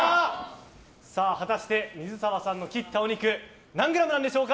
果たして水沢さんの切ったお肉何グラムなんでしょうか。